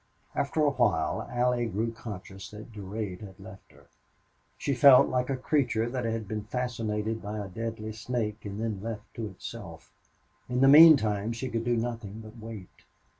After a while Allie grew conscious that Durade had left her. She felt like a creature that had been fascinated by a deadly snake and then left to itself; in the mean time she could do nothing but wait.